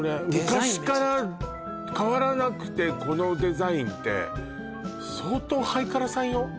昔から変わらなくてこのデザインって相当ハイカラさんよ